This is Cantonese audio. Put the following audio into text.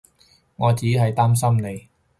我只係擔心你